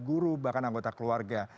guru bahkan anggota keluarga